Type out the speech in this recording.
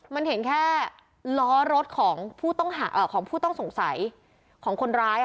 มันเห็นแค่ล้อรถของผู้ต้องสงสัยของคนร้าย